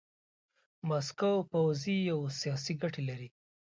ماسکو پوځي او سیاسي ګټې لري.